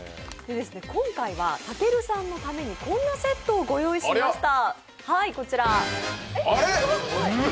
今回はたけるさんのために、こんなセットをご用意しました。